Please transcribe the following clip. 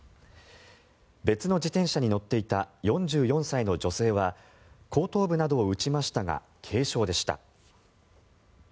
別の自転車に乗っていた４４歳の女性は後頭部などを打ちましたが軽傷でした。